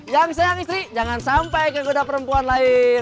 yang sayang istri jangan sampai ke kuda perempuan lain